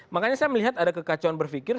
makanya saya melihat ada kekacauan berpikir